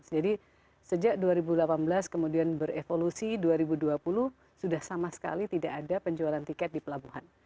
jadi sejak dua ribu delapan belas kemudian berevolusi dua ribu dua puluh sudah sama sekali tidak ada penjualan tiket di pelabuhan